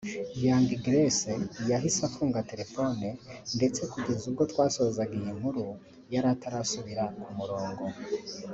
Young Grace yahise afunga telefone ye ndetse kugeza ubwo twasozaga iyi nkuru yari atarasubira ku murongo